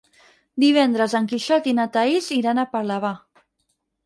Divendres en Quixot i na Thaís iran a Parlavà.